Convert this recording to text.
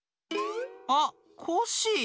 あっコッシー。